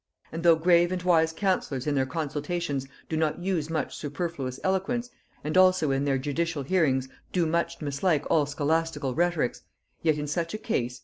And though grave and wise councillors in their consultations do not use much superfluous eloquence, and also in their judicial hearings do much mislike all scholastical rhetorics: yet in such a case...